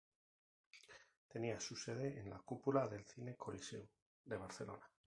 Tenía su sede en la Cúpula del cine Coliseum de Barcelona.